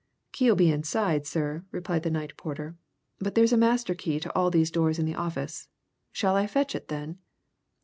"Key'll be inside, sir," replied the night porter. "But there's a master key to all these doors in the office. Shall I fetch it, then?"